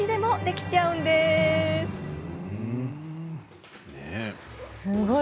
すごい。